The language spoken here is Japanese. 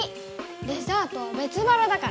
デザートはべつばらだから！